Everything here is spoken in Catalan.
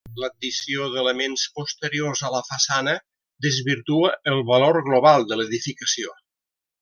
L'addició d'elements posteriors a la façana desvirtua el valor global de l'edificació.